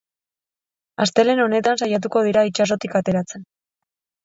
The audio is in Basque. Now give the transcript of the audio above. Astelehen honetan saiatuko dira itsasotik ateratzen.